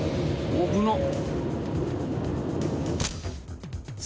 危なっ！